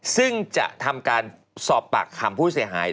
ซึ่งจะทำการสอบปากคำผู้เสียหาย